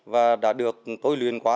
và đã được tôi luyện qua